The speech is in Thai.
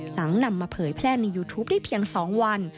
หลังนำมาเผยแพร่ในยูทูปได้เพียง๒วัน